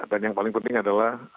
dan yang paling penting adalah